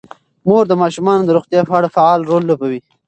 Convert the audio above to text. مور د ماشومانو د روغتیا په اړه فعال رول لوبوي.